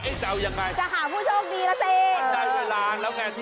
เอ๊ะจะเอายังไง